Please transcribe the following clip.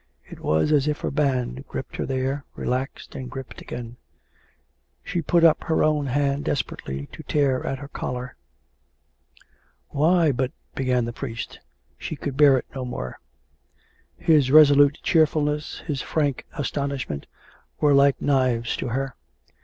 It was as if a hand gripped her there, re laxed, and gripped again. She put up her own hand desperately to tear at her collar. " Why, but " began the priest. She could bear it no more. His resolute cheerfulness, his frank astonishment, were like knives to her.